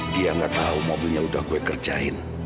dia nggak tahu mobilnya udah gue kerjain